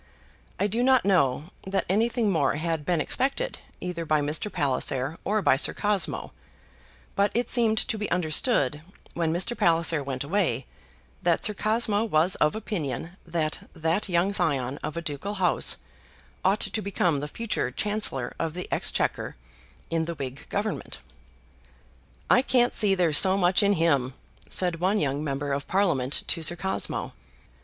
I do not know that anything more had been expected either by Mr. Palliser or by Sir Cosmo; but it seemed to be understood when Mr. Palliser went away that Sir Cosmo was of opinion that that young scion of a ducal house ought to become the future Chancellor of the Exchequer in the Whig Government. "I can't see that there's so much in him," said one young member of Parliament to Sir Cosmo.